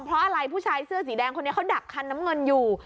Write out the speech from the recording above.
เพราะอะไรผู้ชายเสื้อสีแดงคนนี้เขาดักคันน้ำเงินอยู่